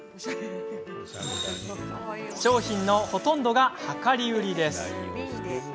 商品のほとんどが量り売りです。